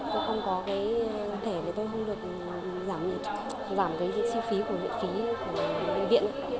tôi không có cái thẻ để tôi không được giảm cái suy phí của nguyện phí của viện